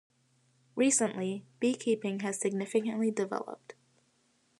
Recently, beekeeping has significantly developed.